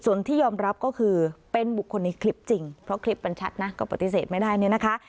ส่วนที่ยอมรับก็คือเป็นบุคคลในคลิปจริงเพราะคลิปมันชัดนะก็ปฏิเสธไม่ได้เนี่ยนะคะ